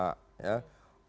dapat diterima ya